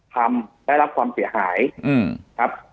ทำได้รับความเสียหายครับ